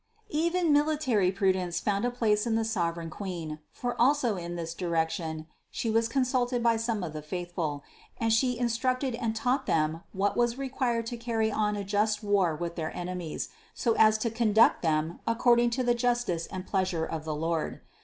Even military prudence found a place in the sovereign Queen, for also in this direction She was consulted by some of the faithful, and She in structed and taught them what was required to carry on a just war with their enemies, so as to conduct them ac cording to the justice and pleasure of the Lord.